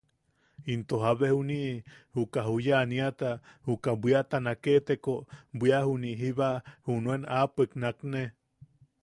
Into ke jabe juni’i uka juya aniata, uka bwiata naketeko bwia juni’i jiba junuen aapoik nakne.